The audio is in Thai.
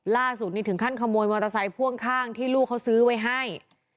ล่าสุดนี่ถึงขั้นขโมยมอเตอร์ไซค์พ่วงข้างที่ลูกเขาซื้อไว้ให้